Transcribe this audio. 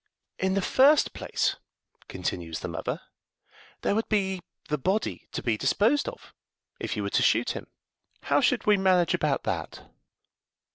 "In the first place," continues the mother, "there would be the body to be disposed of, if you were to shoot him. How should we manage about that?"